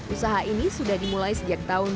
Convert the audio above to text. usaha ini sudah dimulai sejak tahun dua ribu